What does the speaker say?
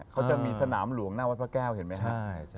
เขาจะมีสนามหลวงหน้าวัดพระแก้วเห็นไหมครับ